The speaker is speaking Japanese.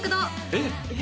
えっ？